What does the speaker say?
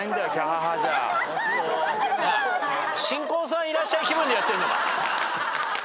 『新婚さんいらっしゃい！』気分でやってるのか。